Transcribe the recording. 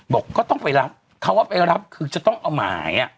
ก็ต้องไปรับคำว่าไปรับคือจะต้องเอาหมาย